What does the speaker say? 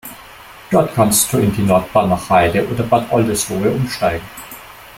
Dort kannst du in die Nordbahn nach Heide oder Bad Oldesloe umsteigen.